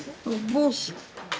帽子？